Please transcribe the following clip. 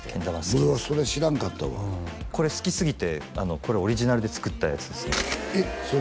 俺はそれ知らんかったわこれ好きすぎてこれオリジナルで作ったやつですねえっそれ？